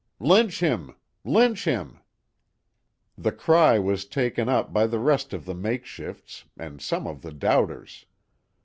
"Lynch him! Lynch him!" The cry was taken up by the rest of the makeshifts and some of the doubters.